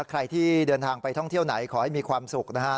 ใครที่เดินทางไปท่องเที่ยวไหนขอให้มีความสุขนะฮะ